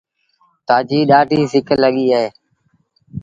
تآجي ڏآڍيٚ سڪ لڳيٚ اهي۔